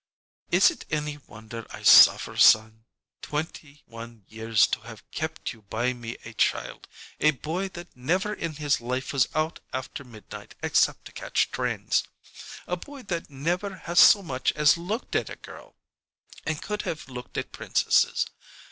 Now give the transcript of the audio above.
"Is it any wonder I suffer, son? Twenty one years to have kept you by me a child. A boy that never in his life was out after midnight except to catch trains. A boy that never has so much as looked at a girl and could have looked at princesses.